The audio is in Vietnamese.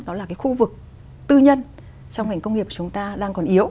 đó là cái khu vực tư nhân trong ngành công nghiệp chúng ta đang còn yếu